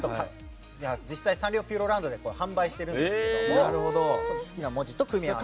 実際サンリオピューロランドで販売してるんですけども好きな文字と組み合わせて。